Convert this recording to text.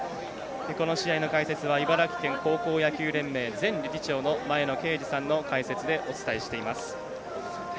この試合の解説は茨城県高校野球連盟前理事長の前野啓二さんの解説でお伝えしています。